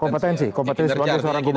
kompetensi kompetensi bagus seorang gubernur